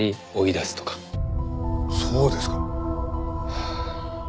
そうですか。